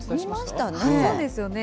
そうですよね。